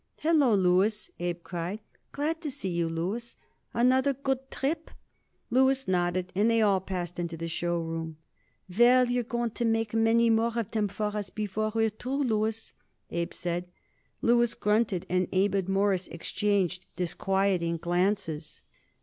"Hallo, Louis," Abe cried. "Glad to see you, Louis. Another good trip?" Louis nodded, and they all passed into the show room. "Well, you're going to make many more of them for us before you're through, Louis," Abe said. Louis grunted, and Abe and Morris exchanged disquieting glances.